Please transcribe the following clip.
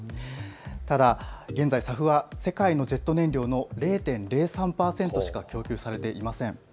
ただ現在はＳＡＦは世界のジェット燃料の０．０３％しか供給されていません。